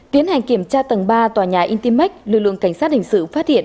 tiến hành kiểm tra tầng ba tòa nhà internet lực lượng cảnh sát hình sự phát hiện